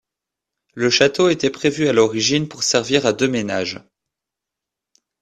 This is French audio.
Le château était prévu à l'origine pour servir à deux ménages.